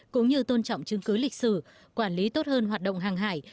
cũng như tôn trọng chứng cứ lịch sử quản lý tốt hơn hoạt động hàng hải